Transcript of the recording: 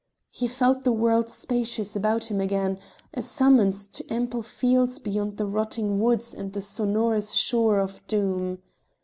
He felt the world spacious about him again; a summons to ample fields beyond the rotting woods and the sonorous shore of Doom.